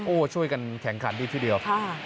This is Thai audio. โอ้ช่วยกันแข็งขันที่เดียวค่ะ